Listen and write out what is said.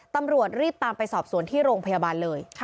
ตำรวจรีบตามไปสอบสวนที่โรงพยาบาลเลย